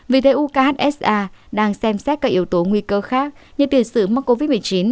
vì thế ucha đang xem xét các yếu tố nguy cơ khác như tiền sử mắc covid một mươi chín